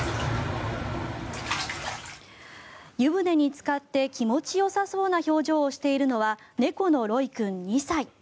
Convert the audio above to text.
湯船につかって気持ちよさそうな表情をしているのは猫のロイ君、２歳。